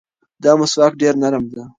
دا مسواک ډېر نرم دی.